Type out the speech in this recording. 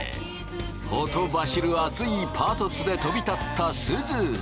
ほとばしる熱いパトスで飛び立ったすず。